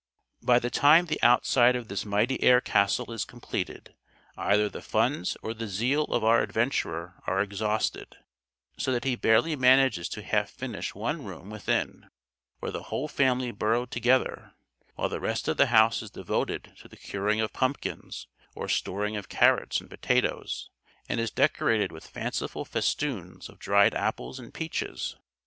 By the time the outside of this mighty air castle is completed, either the funds or the zeal of our adventurer are exhausted, so that he barely manages to half finish one room within, where the whole family burrow together, while the rest of the house is devoted to the curing of pumpkins, or storing of carrots and potatoes, and is decorated with fanciful festoons of dried apples and peaches.